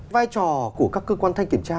vai trò của các cơ quan thanh kiểm tra